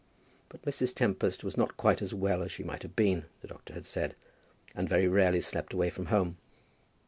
But Mrs. Tempest was not quite as well as she might have been, the doctor had said, and very rarely slept away from home.